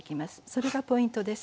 それがポイントです。